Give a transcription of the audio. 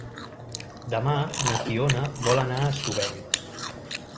Demà na Fiona vol anar a Estubeny.